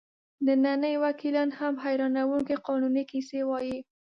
ننني وکیلان هم حیرانوونکې قانوني کیسې وایي.